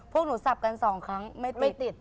พวกหนูสับกันสองครั้งไม่ติด